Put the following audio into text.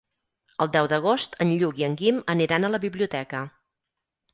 El deu d'agost en Lluc i en Guim aniran a la biblioteca.